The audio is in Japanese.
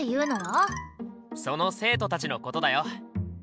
その生徒たちのことだよ。